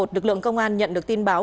được lượng công an nhận được tin báo